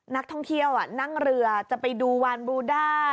นักท่องเที่ยวนั่งเรือจะไปดูวานบลูด้า